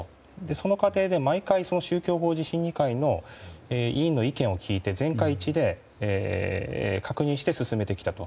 その過程で毎回宗教法人審議会の委員の意見を聞いて全会一致で確認して進めてきたと。